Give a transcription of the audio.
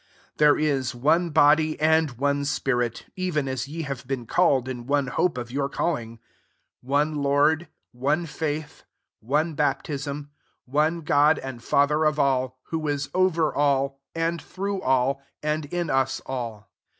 4 There ia one body and one spirit, even as ye have been called in one hope of your calling ; 5 one Lord, one faith, one baptism, 6 one God and Father of all ; who is over all, and through all, and in {u9\ all.